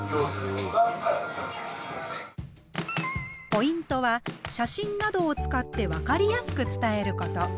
ポイントは写真などを使ってわかりやすく伝えること。